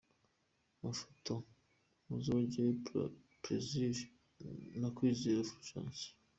Amafoto: Muzogeye Plaisir & Kwizera Fulgence.